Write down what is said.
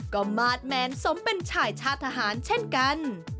ก็มาสแมนสมเป็นชายชาติทหารเช่นกัน